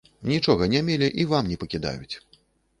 Нічога не мелі і вам не пакідаюць.